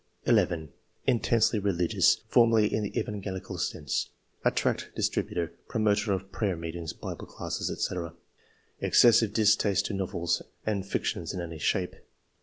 '' 11. " Intensely religious ; formerly in the Evangelical sense (a tract distributor, promoter of prayer meetings, bible classes, &c.) Excessive distaste to novels and fictions in any shape.''